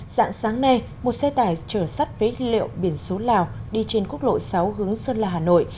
dạng sáng nay một xe tải trở sắt với liệu biển số lào đi trên quốc lộ sáu hướng sơn lạ hà nội